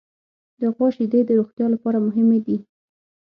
د غوا شیدې د روغتیا لپاره مهمې دي.